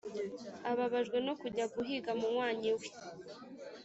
ababajwe no kujya guhiga munywanyi we